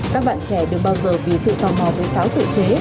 các bạn trẻ được bao giờ vì sự tò mò với pháo tự chế